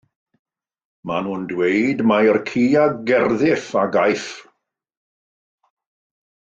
Maen nhw'n dweud mai'r ci a gerddiff a gaiff.